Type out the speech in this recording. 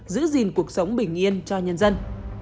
giữ gìn cuộc sống bình yên cho nhân dân